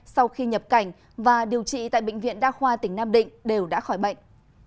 sau khi nhập cảnh và điều trị tại bệnh viện đa khoa tỉnh nam định đều đã khỏi bệnh